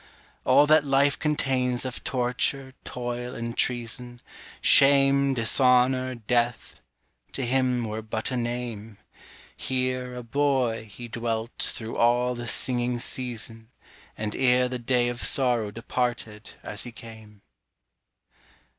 All that life contains of torture, toil, and treason, Shame, dishonor, death, to him were but a name. Here, a boy, he dwelt through all the singing season And ere the day of sorrow departed as he came.